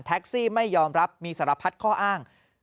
ซี่ไม่ยอมรับมีสารพัดข้ออ้าง